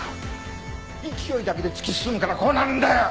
勢いだけで突き進むからこうなるんだよ！